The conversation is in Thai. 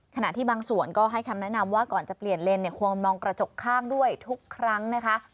ขณะที่บางส่วนก็ให้คำแนะนำว่าก่อนจะเปลี่ยนเลนเนี่ยควรมองกระจกข้างด้วยทุกครั้งนะคะ